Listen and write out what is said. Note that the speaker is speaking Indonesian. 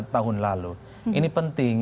tahun lalu ini penting